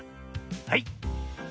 はい。